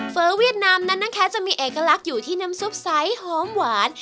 เวียดนามนั้นนะคะจะมีเอกลักษณ์อยู่ที่น้ำซุปไซส์หอมหวาน